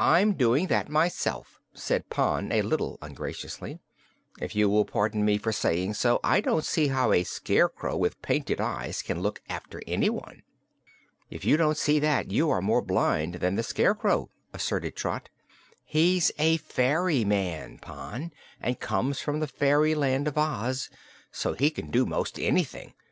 "I'm doing that myself," said Pon, a little ungraciously. "If you will pardon me for saying so, I don't see how a Scarecrow with painted eyes can look after anyone." "If you don't see that, you are more blind than the Scarecrow," asserted Trot. "He's a fairy man, Pon, and comes from the fairyland of Oz, so he can do 'most anything.